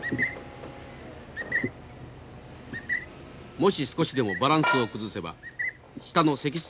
もし少しでもバランスを崩せば下の石室